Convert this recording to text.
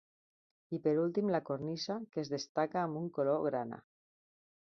I per últim la cornisa, que es destaca amb un color grana.